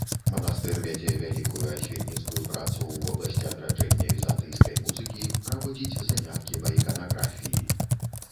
Манастыр вядзе вялікую асветніцкую працу ў вобласці адраджэння візантыйскай музыкі, праводзіць заняткі па іканаграфіі.